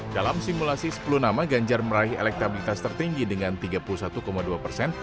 dalam simulasi sepuluh nama ganjar meraih elektabilitas tertinggi dengan tiga puluh satu dua persen